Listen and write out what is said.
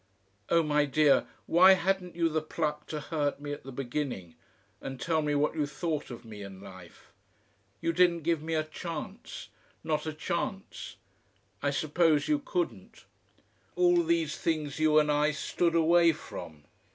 "Oh, my dear! why hadn't you the pluck to hurt me at the beginning, and tell me what you thought of me and life? You didn't give me a chance; not a chance. I suppose you couldn't. All these things you and I stood away from.